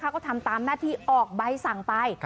ก็ทำตามหน้าที่ออกใบสั่งไป